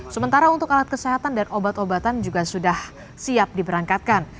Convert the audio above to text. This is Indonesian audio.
sementara untuk alat kesehatan dan obat obatan juga sudah siap diberangkatkan